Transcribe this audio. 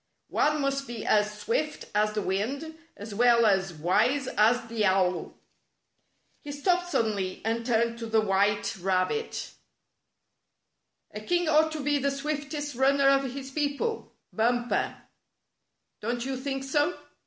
"One must be as swift as the wind as well as wise as the owl." He stopped suddenly and turned to the white 37 38 A Test of Fleetness rabbit. A king ought to be the swiftest runner of his people, Bumper. Don't you think so